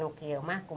apa itu pesan